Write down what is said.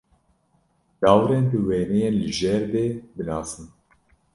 Lawirên di wêneyên li jêr de binasin.